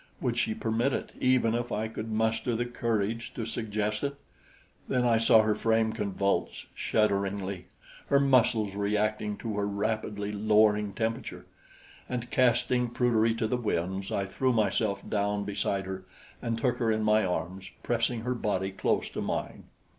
Would she permit it, even if I could muster the courage to suggest it? Then I saw her frame convulse, shudderingly, her muscles reacting to her rapidly lowering temperature, and casting prudery to the winds, I threw myself down beside her and took her in my arms, pressing her body close to mine.